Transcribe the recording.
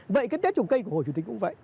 vậy cái tết trồng cây của hồ chủ tịch cũng vậy